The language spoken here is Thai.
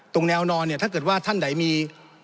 แนวนอนเนี่ยถ้าเกิดว่าท่านใดมี